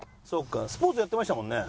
スポーツやってましたもんね？